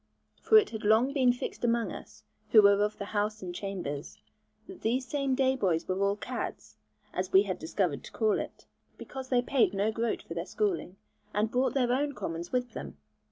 For it had long been fixed among us, who were of the house and chambers, that these same day boys were all 'caddes,' as we had discovered to call it, because they paid no groat for their schooling, and brought their own commons with them.